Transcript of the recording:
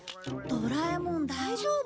ドラえもん大丈夫？